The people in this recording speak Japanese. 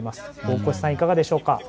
大越さん、いかがでしょうか。